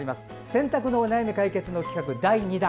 洗濯のお悩み解決の企画第２弾